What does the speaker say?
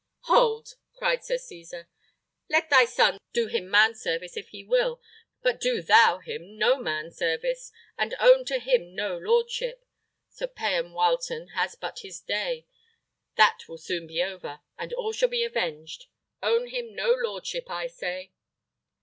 "Hold!" cried Sir Cesar, "let thy son do him man service, if he will, but do thou him no man service, and own to him no lordship. Sir Payan Wileton has but his day; that will soon be over, and all shall be avenged; own him no lordship, I say!"